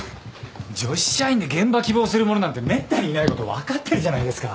女子社員で現場希望する者なんてめったにいないこと分かってるじゃないですか。